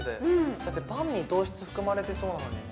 だってパンに糖質含まれてそうなのにね